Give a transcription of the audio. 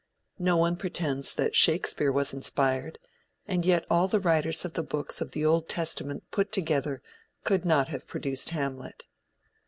No one pretends that Shakespeare was inspired, and yet all the writers of the books of the Old Testament put together, could not have produced Hamlet.